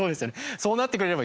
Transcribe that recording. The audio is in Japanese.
そうなってくれれば。